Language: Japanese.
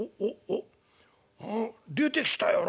おっ出てきたよ